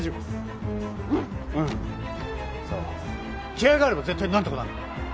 気合いがあれば絶対なんとかなる！